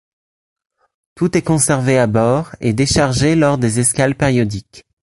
Tout est conservé à bord et déchargé lors des escales périodiques.